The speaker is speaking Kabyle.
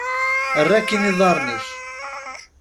Err akkin iḍarren-ik!